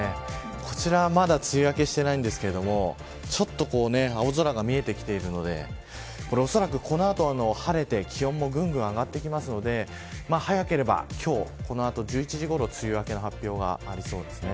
こちらはまだ梅雨明けしていないんですがちょっと青空が見えてきているのでおそらくこの後、晴れて気温もぐんぐん上がってくるので早ければ今日この後１１時ごろ梅雨明けの発表がありそうです。